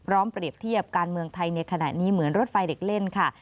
เปรียบเทียบการเมืองไทยในขณะนี้เหมือนรถไฟเด็กเล่นค่ะ